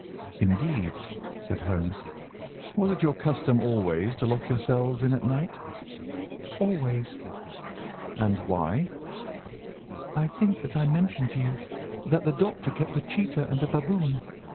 "Indeed," said Holmes. "Was it your custom always to lock yourselves in at night?" "Always." "And why?" "I think that I mentioned to you that the Doctor kept a cheetah and a baboon.